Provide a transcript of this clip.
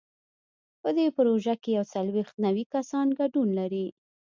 په دې پروژه کې یو څلوېښت نوي کسان ګډون لري.